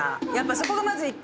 そこがまず１個。